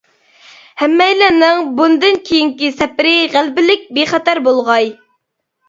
ھەممەيلەننىڭ بۇندىن كېيىنكى سەپىرى غەلىبىلىك، بىخەتەر بولغاي!